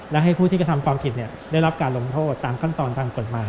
และให้ผู้ที่กระทำความผิดได้รับการลงโทษตามขั้นตอนตามกฎหมาย